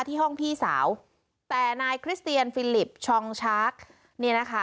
ที่ห้องพี่สาวแต่นายพิลิปชลงชักเนี่ยนะคะ